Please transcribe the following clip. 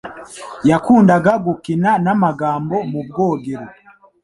Yakundaga gukina n'amagambo mu bwogero.